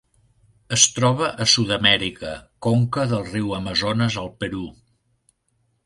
Es troba a Sud-amèrica: conca del riu Amazones al Perú.